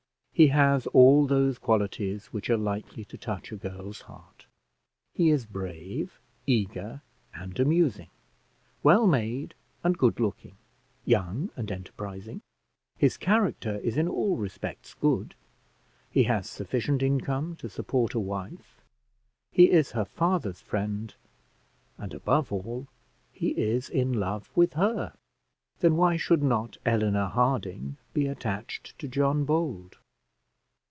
He has all those qualities which are likely to touch a girl's heart. He is brave, eager, and amusing; well made and good looking; young and enterprising; his character is in all respects good; he has sufficient income to support a wife; he is her father's friend; and, above all, he is in love with her: then why should not Eleanor Harding be attached to John Bold?